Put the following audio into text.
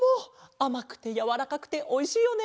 あまくてやわらかくておいしいよね。